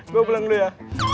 gue bilang dulu ya